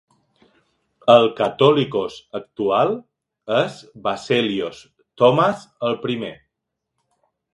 El Catholicos actual és Baselios Thomas el Primer.